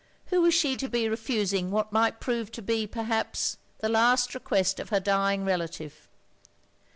Who was she to be reftising what might prove to be, perhaps, the last request of her dying relative.